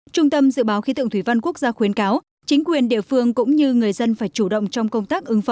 trung tâm dự báo khí tượng thủy văn quốc gia khuyến cáo chính quyền địa phương cũng như người dân phải chủ động trong công tác ứng phó